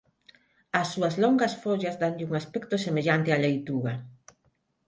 As súas longas follas danlle un aspecto semellante á leituga.